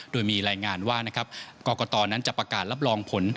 โดยมีรายงานว่านะครับกรกตนั้นจะประกาศรับรองผล